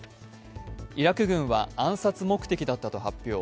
イラク軍は暗殺目的だったと発表。